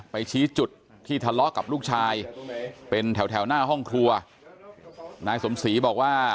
ชี้จุดที่ทะเลาะกับลูกชายเป็นแถวแถวหน้าห้องครัวนายสมศรีบอกว่า